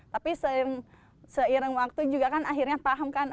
tapi seiring waktu juga kan akhirnya pahamkan